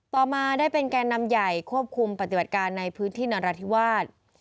ต่อมาได้เป็นแก่นำใหญ่ควบคุมปฏิบัติการในพื้นที่นราธิวาส